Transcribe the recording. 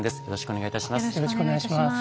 よろしくお願いします。